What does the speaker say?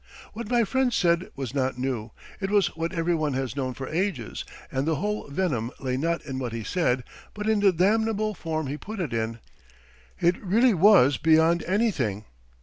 What my friend said was not new, it was what everyone has known for ages, and the whole venom lay not in what he said, but in the damnable form he put it in. It really was beyond anything!